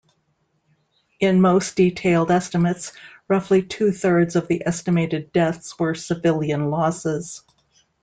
In most detailed estimates roughly two-thirds of the estimated deaths were civilian losses.